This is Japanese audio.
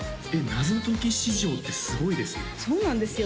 謎解き市場ってすごいですねそうなんですよ